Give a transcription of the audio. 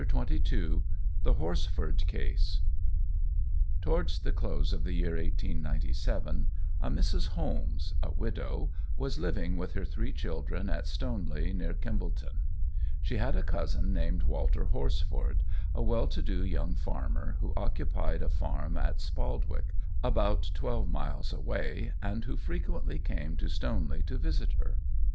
CHAPTER XXII THE HORSFORD CASE TOWARDS the close of the year 1897, a Mrs. Holmes, a widow, was living with her three children at Stoneley, near Kimbolton. She had a cousin named Walter Horsford, a well to do young farmer who occupied a farm at Spaldwick about twelve miles away, and who frequently came to Stoneley to visit her.